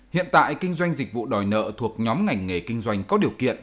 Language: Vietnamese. hiện tại kinh doanh dịch vụ đòi nợ thuộc nhóm ngành nghề kinh doanh có điều kiện